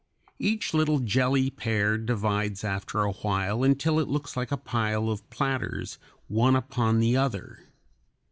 Each little jelly pear (Fig. 22) divides after a while until it looks like a pile of platters one upon the other.